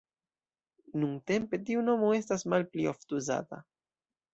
Nuntempe tiu nomo estas malpli ofte uzata.